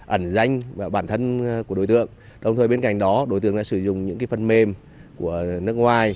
ẩn danh và bản thân của đối tượng đồng thời bên cạnh đó đối tượng đã sử dụng những phần mềm của nước ngoài